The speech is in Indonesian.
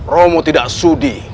romo tidak sudi